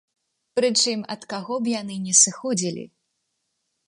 Прычым, ад каго б яны не сыходзілі.